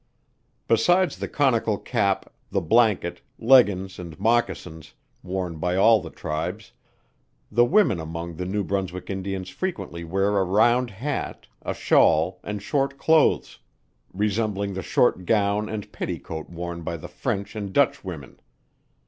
Besides the conical cap, the blanket, leggins, and moccasins, worn by all the tribes; the women among the New Brunswick Indians frequently wear a round hat, a shawl, and short clothes, resembling the short gown and petticoat worn by the French and Dutch women.